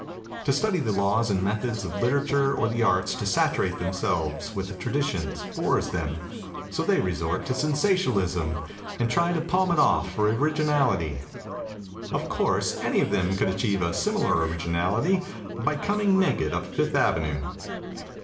To study the laws and methods of literature or the arts, to saturate themselves with traditions, bores them, so they resort to sensationalism, and try to palm it off for originality. ... Of course, any of them could achieve a similar originality by coming naked up Fifth Avenue."